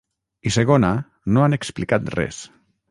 I segona, no han explicat res.